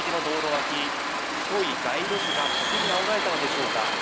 脇太い街路樹が風にあおられたのでしょうか